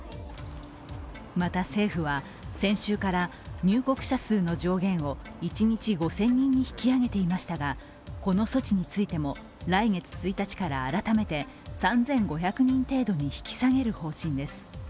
また、政府は先週から入国者数の上限を一日５０００人に引き上げていましたがこの措置についても、来月１日から改めて３５００人程度に引き下げる方針です。